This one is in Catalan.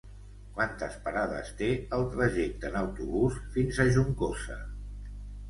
Quantes parades té el trajecte en autobús fins a Juncosa?